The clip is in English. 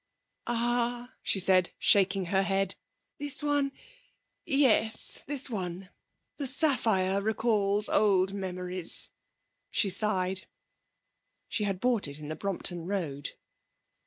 'Ah!' she said, shaking her head. 'This one yes, this one the sapphire recalls old memories.' She sighed; she had bought it in the Brompton Road.